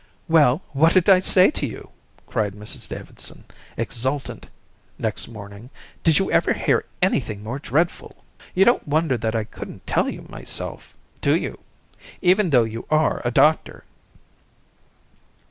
"Well, what did I say to you?" cried Mrs Davidson, exultant, next morning. "Did you ever hear anything more dreadful? You don't wonder that I couldn't tell you myself, do you? Even though you are a doctor."